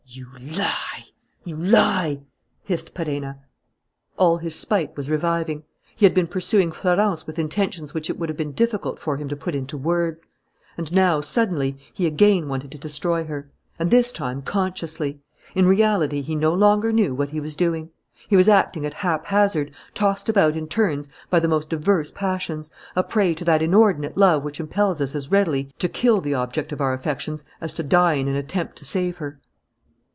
"You lie! You lie!" hissed Perenna. All his spite was reviving. He had been pursuing Florence with intentions which it would have been difficult for him to put into words. And now suddenly he again wanted to destroy her; and this time consciously. In reality he no longer knew what he was doing. He was acting at haphazard, tossed about in turns by the most diverse passions, a prey to that inordinate love which impels us as readily to kill the object of our affections as to die in an attempt to save her.